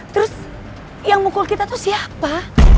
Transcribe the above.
terus yang mukul kita tuh siapa